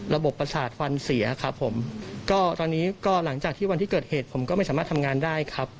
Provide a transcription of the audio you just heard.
ประสาทควันเสียครับผมก็ตอนนี้ก็หลังจากที่วันที่เกิดเหตุผมก็ไม่สามารถทำงานได้ครับ